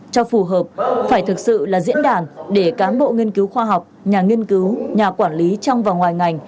cho phù hợp phải thực sự là diễn đàn để cán bộ nghiên cứu khoa học nhà nghiên cứu nhà quản lý trong và ngoài ngành